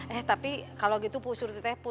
eh tapi kalo gitu pu surti teh pun